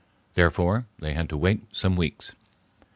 Therefore they had to wait some weeks.